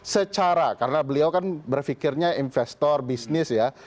secara karena beliau kan berpikirnya investor bisnis ya